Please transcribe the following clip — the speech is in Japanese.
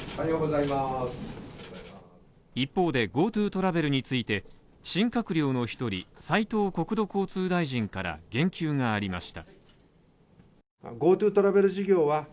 一方で、ＧｏＴｏトラベルについて新閣僚の一人斉藤国土交通大臣から言及がありました。